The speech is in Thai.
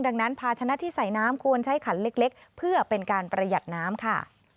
ดังนั้นภาชนะที่ใส่น้ำควรใช้ขันเล็กเพื่อเป็นการประหยัดน้ำค่ะ